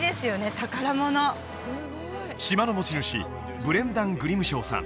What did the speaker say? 宝物島の持ち主ブレンダン・グリムショーさん